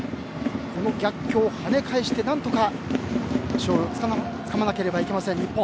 この逆境を跳ね返して何とか勝利をつかまなければいけない日本。